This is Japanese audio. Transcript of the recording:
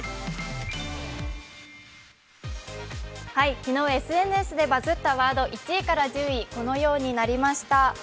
昨日ＳＮＳでバズったワード、このようになりました。